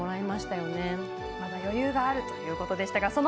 まだ余裕があるということでしたが。